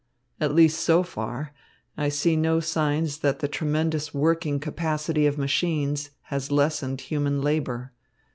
At least so far, I see no signs that the tremendous working capacity of machines has lessened human labour.